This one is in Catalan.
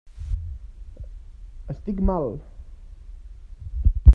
Estic mal!